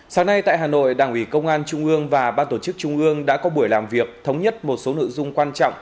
sáng nay tại hà nội đảng ủy công an trung ương và ban tổ chức trung ương đã có buổi làm việc thống nhất một số nội dung quan trọng